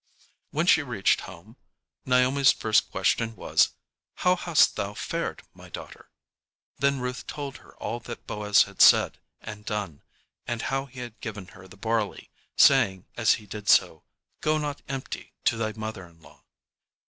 When she reached home, Naomi's first question was, "How hast thou fared, my daughter?" Then Ruth told her all that Boaz had said and done, and how he had given her the barley, saying as he did so, "Go not empty to thy mother in law."